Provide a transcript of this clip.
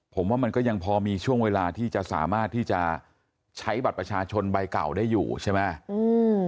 ผมว่ามันก็ยังพอมีช่วงเวลาที่จะสามารถที่จะใช้บัตรประชาชนใบเก่าได้อยู่ใช่ไหม